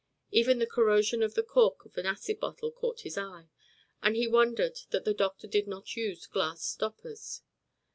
Even the corrosion of the cork of an acid bottle caught his eye, and he wondered that the doctor did not use glass stoppers.